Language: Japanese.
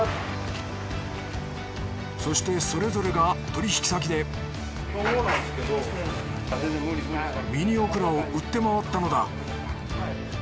そしてそれぞれが取引先でミニオクラを売って回ったのだ。